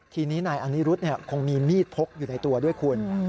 ทีนี้นายอนิรุธคงมีมีดพกอยู่ในตัวด้วยคุณ